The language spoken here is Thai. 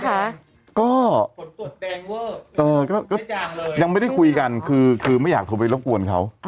ก็ฝนตรวจแดงเวิร์ดเออก็ไม่ได้จางเลยยังไม่ได้คุยกันคือคือไม่อยากถูกไปแล้วกวนเขา